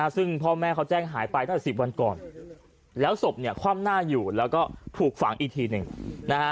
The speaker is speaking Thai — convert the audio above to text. ซึ่งพ่อแม่เขาแจ้งหายไปตั้งแต่๑๐วันก่อนแล้วศพเนี่ยคว่ำหน้าอยู่แล้วก็ถูกฝังอีกทีหนึ่งนะฮะ